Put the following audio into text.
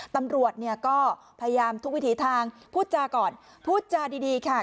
ตำรวจเนี่ยก็พยายามทุกวิถีทางพูดจากันพูดจาดีค่ะ